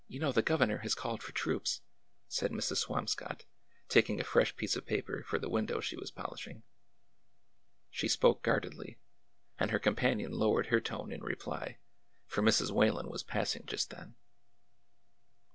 " You know the governor has called for troops," said Mrs. Swamscott, taking a fresh piece of paper for the window she was polishing. She spoke guardedly, and A WORKING HIVE 179 her companion lowered her tone in reply, for Mrs. Whalen was passing just then.